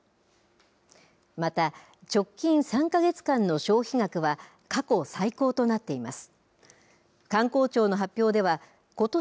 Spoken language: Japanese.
また、直近３か月間の消費額は、過去最高となっています。